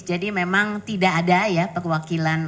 jadi memang tidak ada ya perwakilan